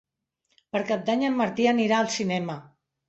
Per Cap d'Any en Martí anirà al cinema.